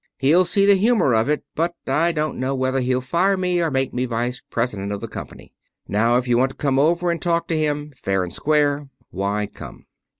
He'll see the humor of it. But I don't know whether he'll fire me, or make me vice president of the company. Now, if you want to come over and talk to him, fair and square, why come."